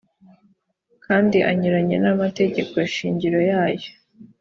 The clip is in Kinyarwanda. kandi anyuranye n amategeko shingiro yayo